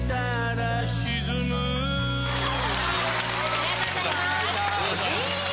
・ありがとうございます・え。